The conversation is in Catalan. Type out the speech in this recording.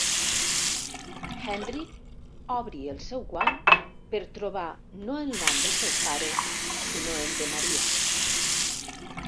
Henry obre el seu guant per trobar no el nom del seu pare, sinó el de Maria.